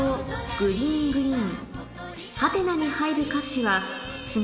グリーングリーン